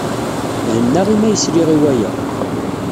Hennaɣ imi ay sliɣ i waya.